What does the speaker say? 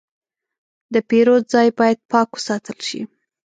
د پیرود ځای باید پاک وساتل شي.